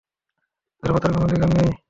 তাদের বাঁচার কোন অধিকারই নেই।